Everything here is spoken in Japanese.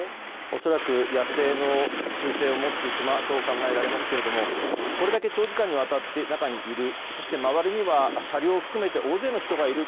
恐らく野生の習性を持つクマと考えられますが、これだけ長時間にわたって中にいるそして、周りには車両を含めて大勢の方がいる。